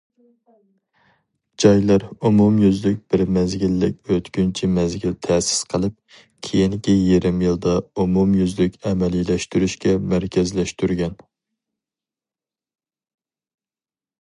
جايلار ئومۇميۈزلۈك بىر مەزگىللىك ئۆتكۈنچى مەزگىل تەسىس قىلىپ، كېيىنكى يېرىم يىلدا ئومۇميۈزلۈك ئەمەلىيلەشتۈرۈشكە مەركەزلەشتۈرگەن.